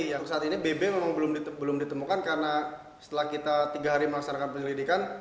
yang saat ini bb memang belum ditemukan karena setelah kita tiga hari melaksanakan penyelidikan